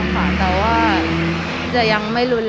เพราะด้วยความที่ว่าหนุ่มไม่สู้ค่ะ